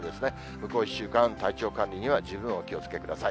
向こう１週間、体調管理には十分お気をつけください。